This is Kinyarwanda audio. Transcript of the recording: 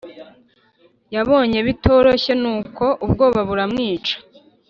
yabonye bitoroshye nuko ubwoba buramwica